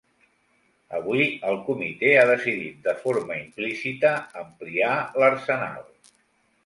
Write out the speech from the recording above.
Avui, el comitè ha decidit de forma implícita ampliar l'arsenal.